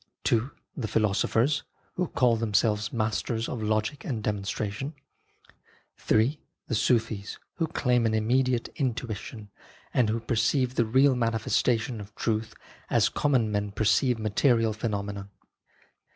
II. The philosophers, who call themselves masters of Logic and Demonstration. III. The Sufis, who claim an immediate in tuition, and who perceive the real manifestation of truth as common men perceive material pheno mena.